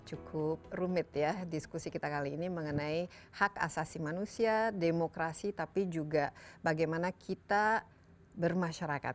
cukup rumit ya diskusi kita kali ini mengenai hak asasi manusia demokrasi tapi juga bagaimana kita bermasyarakat